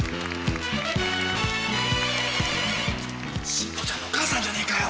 進藤ちゃんのお母さんじゃねえかよ。